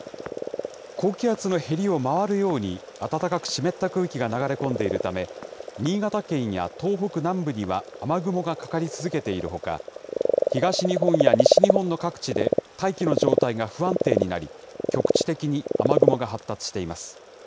高気圧のへりを回るように、暖かく湿った空気が流れ込んでいるため、新潟県や東北南部には、雨雲がかかり続けているほか、東日本や西日本の各地で、大気の状態が不安定になり、局地的に雨雲が発達しています。